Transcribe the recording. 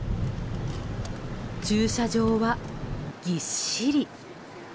駐車場はぎっしり。